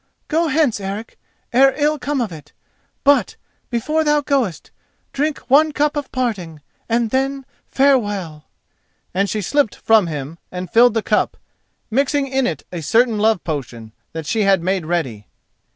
Go hence, Eric, ere ill come of it; but, before thou goest, drink one cup of parting, and then farewell." And she slipped from him and filled the cup, mixing in it a certain love portion that she had made ready.